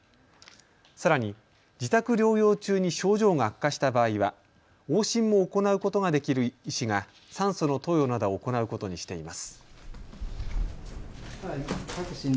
さらに自宅療養中に症状が悪化した場合は往診も行うことができる医師が酸素の投与などを行うことにしています。